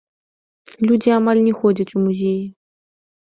Людзі амаль не ходзяць у музеі.